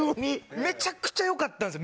めちゃくちゃよかったんですよ。